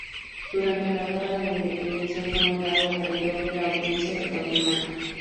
Durante la Guerra de la Independencia fue nombrado oidor de la Audiencia de Guatemala.